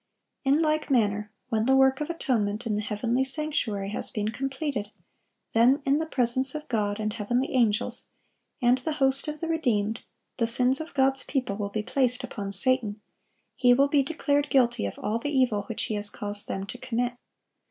(1142) In like manner, when the work of atonement in the heavenly sanctuary has been completed, then in the presence of God and heavenly angels, and the host of the redeemed, the sins of God's people will be placed upon Satan; he will be declared guilty of all the evil which he has caused them to commit.